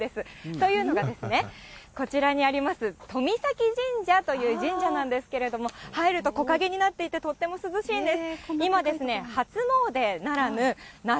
というのがですね、こちらにありますとみさき神社という神社なんですけれども、入ると木陰になっていて、とっても涼しいんです。